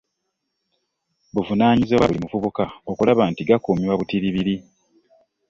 Buvunaanyizibwa bwa buli muvubuka okulaba nti gakuumibwa butiribiri